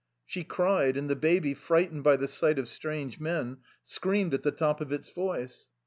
" She cried and the baby, frightened by the sight of strange men, screamed at the top of its voice.